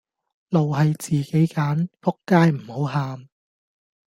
路係自己揀,仆街唔好喊